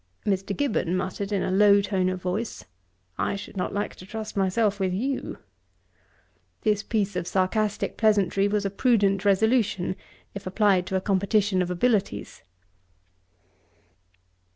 Mr. Gibbon muttered, in a low tone of voice. 'I should not like to trust myself with you.' This piece of sarcastick pleasantry was a prudent resolution, if applied to a competition of abilities.